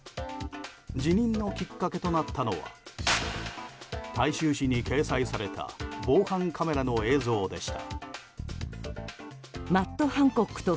辞任のきっかけとなったのは大衆紙に掲載された防犯カメラの映像でした。